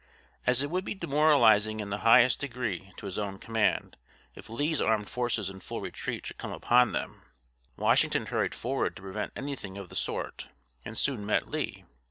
As it would be demoralizing in the highest degree to his own command, if Lee's armed forces in full retreat should come upon them, Washington hurried forward to prevent anything of the sort, and soon met Lee.